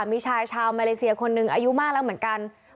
มีชายชาวมาเลเซียคนหนึ่งอายุมากแล้วเหมือนกัน